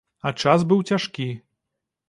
А час быў цяжкі.